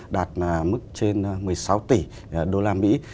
đạt mức trên một mươi sáu tỷ đô la mỹ